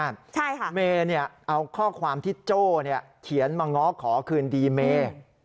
อันนี้ค่ะใช่ค่ะเมย์เอาข้อความที่โจ้เขียนมาง้อขอคืนดีเมย์